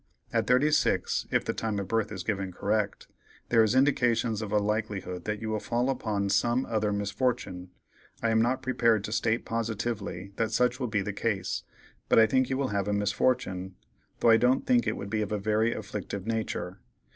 At 36, if the time of birth is given correct, there is indications of a likelihood that you will fall upon some other misfortin'; I am not prepared to state positively that such will be the case, but I think you will have a misfortin', though I don't think it would be of a very afflictive natur'.